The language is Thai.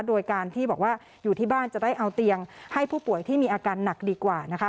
โดยการที่บอกว่าอยู่ที่บ้านจะได้เอาเตียงให้ผู้ป่วยที่มีอาการหนักดีกว่านะคะ